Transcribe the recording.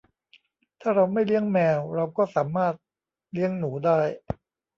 ถ้าเราไม่เลี้ยงแมว เราก็สามารถเลี้ยงหนูได้